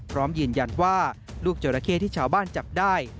พร้อมยืนยันว่าลูกจราเข้ที่ชาวบ้านจับได้